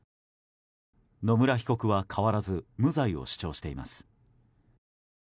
野村被告は変わらず無罪を主張しています。